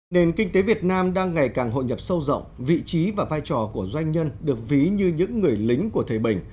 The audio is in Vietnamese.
nền kinh tế việt nam đang ngày càng hội nhập sâu rộng vị trí và vai trò của doanh nhân được ví như những người lính của thời bình